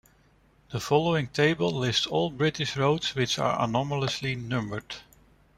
The following table lists all British roads which are anomalously numbered.